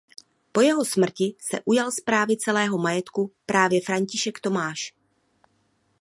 Po jeho smrti se ujal správy celého majetku právě František Tomáš.